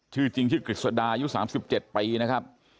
ชื่อจริงชื่อกฤษดายุ๓๗ปีนะครับ